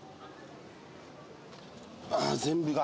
ああ全部が。